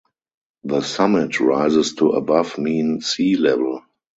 The summit rises to above mean sea level.